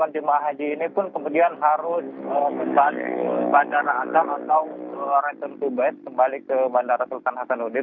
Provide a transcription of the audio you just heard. jemaah haji ini pun kemudian harus kembali ke bandara antar atau ke bandara sultan hasanuddin